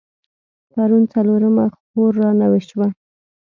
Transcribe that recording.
پرون څلرمه خور رانوې شوه.